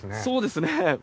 そうですね。